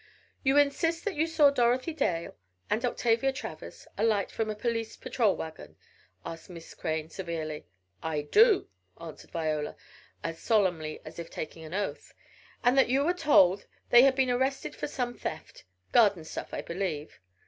"You insist that you saw Dorothy Dale and Octavia Travers alight from a police patrol wagon?" asked Miss Crane severely. "I do!" answered Viola, as solemnly as if taking an oath. "And that you were told they had been arrested for some theft? Garden stuff, I believe?"